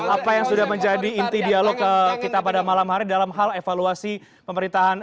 apa yang sudah menjadi inti dialog kita pada malam hari dalam hal evaluasi pemerintahan